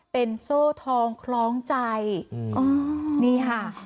เป็นโซ่ทองคล้องใจนี่ค่ะ